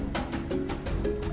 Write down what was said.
silat harimau pasaman